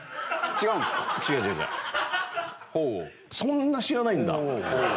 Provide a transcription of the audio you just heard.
そんな知らないんだ。